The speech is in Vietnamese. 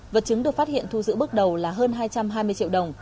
vật chứng được phát hiện thu giữ bước đầu là hơn hai trăm hai mươi triệu đồng